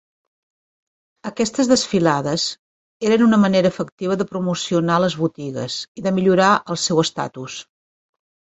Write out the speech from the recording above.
Aquestes "desfilades" eren una manera efectiva de promocionar les botigues, i de millorar el seu estatus.